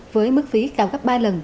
với mức phí cao gấp ba lần